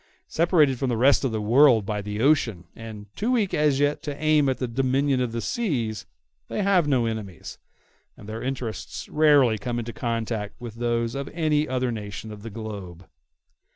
Separated from the rest of the world by the ocean, and too weak as yet to aim at the dominion of the seas, they have no enemies, and their interests rarely come into contact with those of any other nation of the globe.